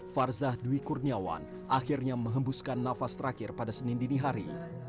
farzah dwi kurniawan akhirnya mengembuskan nafas terakhir pada senin dinihari